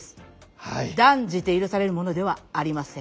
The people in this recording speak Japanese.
断じて許されるものではありません。